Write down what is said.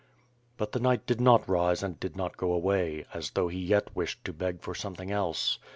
But the knight did not rise and did not go away, as though he yet wished to beg for something else.